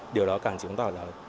điều đó càng chứng tỏ ra